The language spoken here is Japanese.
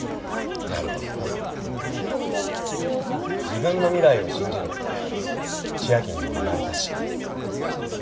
自分の未来を信じろって千明にも言われたし。